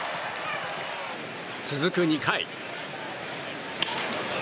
続く２回。